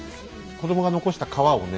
子供が残した皮をね